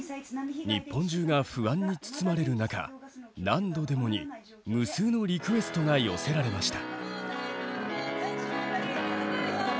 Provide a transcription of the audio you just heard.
日本中が不安に包まれる中「何度でも」に無数のリクエストが寄せられました。